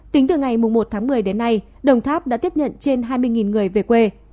tính từ ngày một tháng một mươi đến nay đồng tháp đã tiếp nhận trên hai mươi người về quê